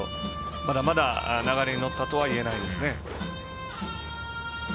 まだまだ流れに乗ったとはいえないですね。